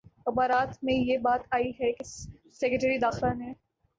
اخبارات میں یہ بات آئی ہے کہ سیکرٹری داخلہ نے